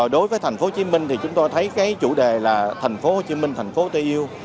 đối với thành phố hồ chí minh thì chúng tôi thấy cái chủ đề là thành phố hồ chí minh thành phố tôi yêu